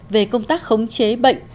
về công tác khống chế bệnh